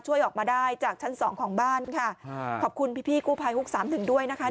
ช่วยออกมาได้จากชั้นสองของบ้านค่ะขอบคุณพี่พี่กู้ภัยฮุกสามถึงด้วยนะคะ